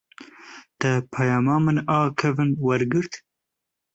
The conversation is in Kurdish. Te peyama min a kevin wergirt?